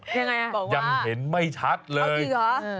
ยังไงอ่ะบอกว่ายังเห็นไม่ชัดเลยจริงเหรอ